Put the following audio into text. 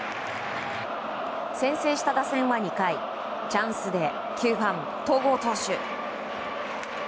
先制した打線は２回チャンスで９番、戸郷投手。